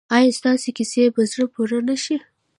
ایا ستاسو کیسې په زړه پورې نه دي؟